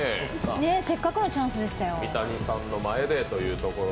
せっかくのチャンスでしたよ。